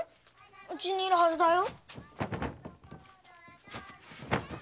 うちにいるはずだよ。